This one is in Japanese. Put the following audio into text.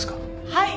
はい。